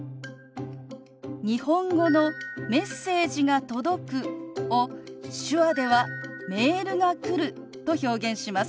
日本語の「メッセージが届く」を手話では「メールが来る」と表現します。